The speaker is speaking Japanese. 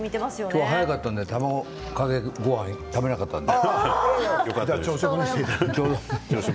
今日は早かったので卵かけごはん食べれなかったので。